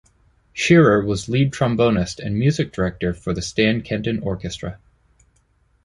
Shearer was lead trombonist and music director for the Stan Kenton Orchestra.